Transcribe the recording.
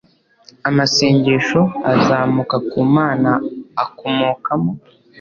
amasengesho, azamuka ku mana akomokamo